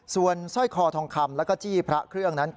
ส่วนสร้อยคอทองคำแล้วก็จี้พระเครื่องนั้น